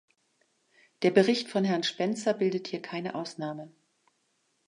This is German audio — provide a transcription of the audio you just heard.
Der Bericht von Herrn Spencer bildet hier keine Ausnahme.